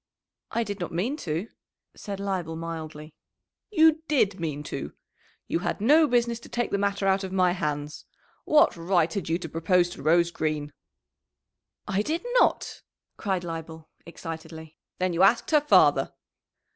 "I did not mean to," said Leibel mildly. "You did mean to. You had no business to take the matter out of my hands. What right had you to propose to Rose Green?" "I did not," cried Leibel excitedly. "Then you asked her father!"